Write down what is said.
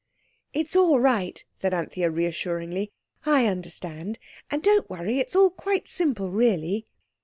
"It's all right," said Anthea reassuringly. "I understand. And don't worry. It's all quite simple really."